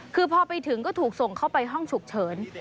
คือพอไปถึงก็ถูกส่งเข้าไปห้องฉุกเฉิน